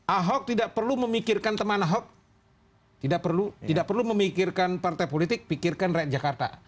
ahok tidak perlu memikirkan teman ahok tidak perlu memikirkan partai politik pikirkan rakyat jakarta